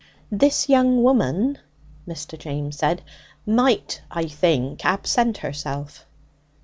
'This young woman,' Mr. James said, 'might, I think, absent herself.'